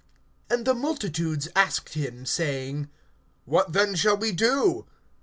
(10)And the multitudes asked him, saying: What then shall we do?